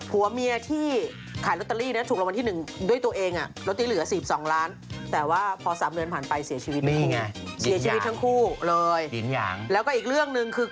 ผัวเมียที่ขายล็อตเตอรี่ถูกรม